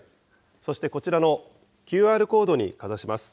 そしてこちらのＱＲコードにかざします。